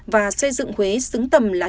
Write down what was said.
và xây dựng huế xứng tầm là